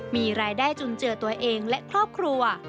มีรายได้จนเจอตัวเองและครอบครัว